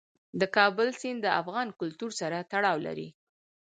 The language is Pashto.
د کابل سیند د افغان کلتور سره تړاو لري.